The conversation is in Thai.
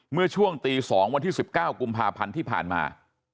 เมื่อช่วงตี๒วันที่๑๙กุมภาพันธ์ที่ผ่านมา